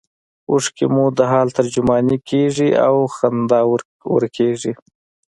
اوښکې مو د حال ترجمانې کیږي او خندا ورکیږي